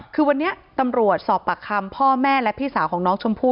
คือวันนี้ตำรวจสอบปากคำพ่อแม่และพี่สาวของน้องชมพู่